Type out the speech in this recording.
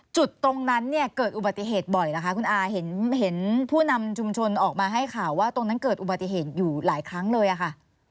จุดตรงนั้นเนี่ยเกิดอุบัติเหตุบ่อยนะคะคุณอาเห็นผู้นำชุมชนออกมาให้ข่าวว่าตรงนั้นเกิดอุบัติเหตุอยู่หลายครั้งเลยอะค่ะ